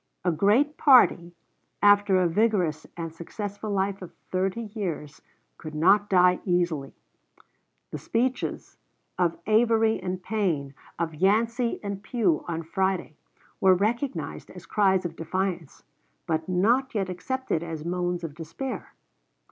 A great party, after a vigorous and successful life of thirty years, could not die easily. The speeches of Avery and Payne, of Yancey and Pugh, on Friday, were recognized as cries of defiance, but not yet accepted as moans of despair.